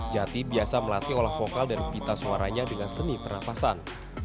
jati biasa melatih olah vokal dan pita suaranya dengan seni pernafasan